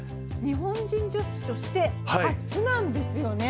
日本人女子として初なんですよね